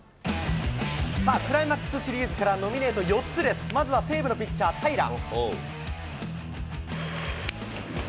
クライマックスシリーズからノミネート４つです、まずは西武のピッチャー、平良。